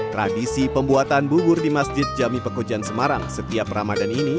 tradisi pembuatan bubur di masjid jami pekojan semarang setiap ramadan ini